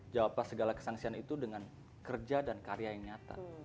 jawablah segala kesangsian itu dengan kerja dan karya yang nyata